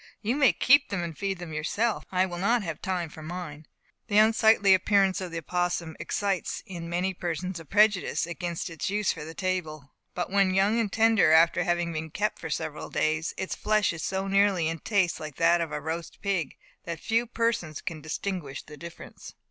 You may keep them and feed them yourself; for I will not have them for mine." The unsightly appearance of the opossum excites in many persons a prejudice against its use for the table. But when young and tender, or after having been kept for several days, its flesh is so nearly in taste like that of a roast pig, that few persons can distinguish the difference.